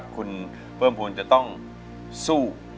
คุณเพิ่มภูมิจะต้องสู้